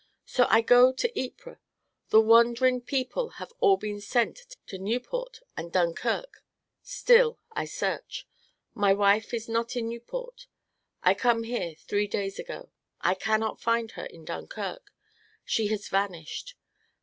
So I go to Ypres. The wandering people have all been sent to Nieuport and Dunkirk. Still I search. My wife is not in Nieuport. I come here, three days ago; I cannot find her in Dunkirk; she has vanished.